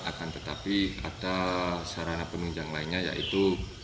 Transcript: akan tetapi ada sarana penunjang lainnya yaitu